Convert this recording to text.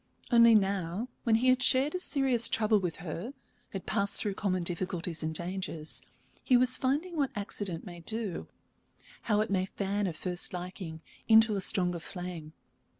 Only now, when he had shared a serious trouble with her, had passed through common difficulties and dangers, he was finding what accident may do how it may fan a first liking into a stronger flame.